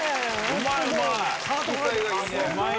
うまいうまい！